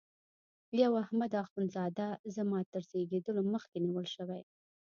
یو احمد اخوند زاده زما تر زیږېدلو مخکي نیول شوی.